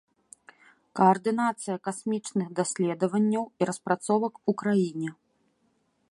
Каардынацыя касмічных даследаванняў і распрацовак у краіне.